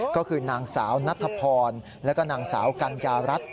ก็คือนางสาวนัทพรแล้วก็นางสาวกัญญารัฐ